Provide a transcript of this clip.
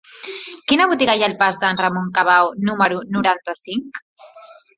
Quina botiga hi ha al pas de Ramon Cabau número noranta-cinc?